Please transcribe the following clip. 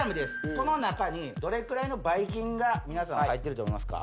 この中にどれくらいのばい菌が皆さん入ってると思いますか？